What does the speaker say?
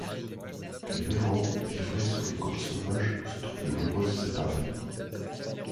Les merrows vivraient sur les côtes sauvages où se trouvent de nombreuses épaves.